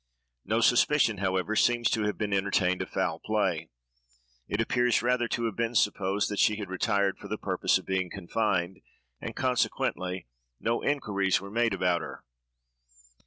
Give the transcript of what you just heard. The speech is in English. No suspicion, however, seems to have been entertained of foul play. It appears rather to have been supposed that she had retired for the purpose of being confined, and, consequently, no inquiries were made about her.